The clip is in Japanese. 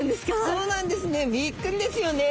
そうなんですねびっくりですよね。